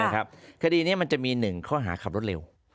ค่ะคดีเนี่ยมันจะมีหนึ่งข้อหาขับรถเร็ว